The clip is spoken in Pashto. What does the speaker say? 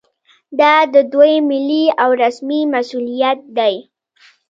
دا د دوی ملي او رسمي مسوولیت دی